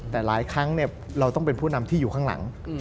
แต่หลายครั้งเราต้องเป็นผู้นำที่อยู่ข้างหลัง